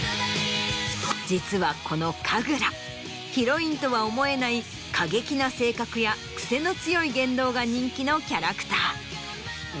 実はこの神楽ヒロインとは思えない過激な性格やクセの強い言動が人気のキャラクター。